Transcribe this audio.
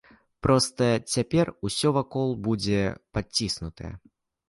Проста цяпер усё вакол будзе падціснутае.